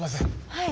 はい。